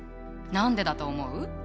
何でだと思う？